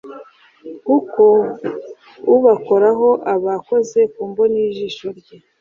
kuko ubakoraho aba akoze ku mboni y ijisho rye